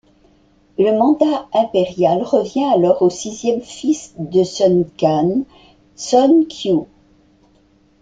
Le Mandat Impérial revient alors au sixième fils de Sun Quan, Sun Xiu.